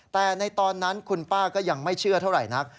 แต่ในตอนนั้นคุณป้าก็ยังไม่เชื่อเท่าไหร่นัก